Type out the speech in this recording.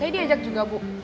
saya diajak juga bu